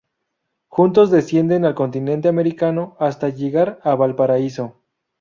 Juntos descienden el continente americano hasta llegar a Valparaíso.